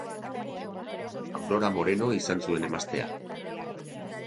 Aurora Moreno izan zuen emazte.